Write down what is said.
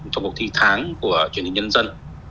trong một thi tháng của truyền hình nhân dân